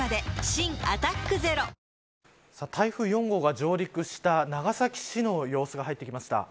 新「アタックＺＥＲＯ」台風４号が上陸した長崎市の様子が入ってきました。